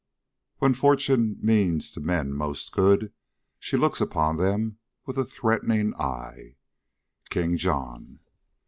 When Fortune means to men most good, She looks upon them with a threatening eye. KING JOHN.